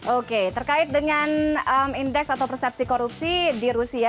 oke terkait dengan indeks atau persepsi korupsi di rusia